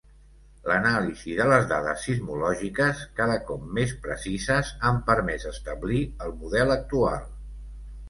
L'anàlisi de les dades sismològiques, cada cop més precises, han permès establir el model actual.